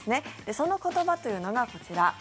その言葉というのが、こちら。